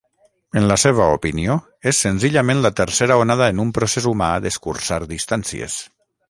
En la seva opinió, és senzillament la tercera onada en un procés humà d'escurçar distàncies.